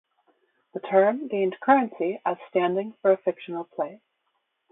The term gained currency as standing for a fictional place.